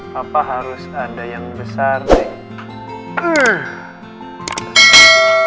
papa harus ada yang besar deh